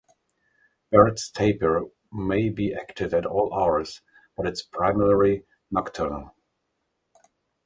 Baird's tapir may be active at all hours, but is primarily nocturnal.